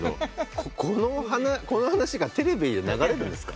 この話がテレビで流れるんですか？